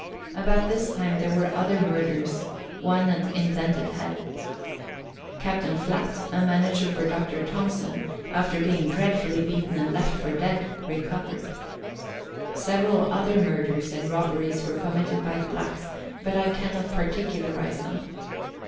About this time there were other murders one at Indented Head. Captain Flat, a manager for Dr. Thomson, after being dreadfully beaten and left for dead, recovered. Several other murders and robberies were committed by the blacks, but I cannot particu larize them.